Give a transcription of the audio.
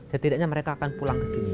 setidaknya mereka akan pulang ke sini